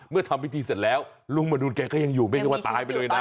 ทำพิธีเสร็จแล้วลุงมนูลแกก็ยังอยู่ไม่ใช่ว่าตายไปเลยนะ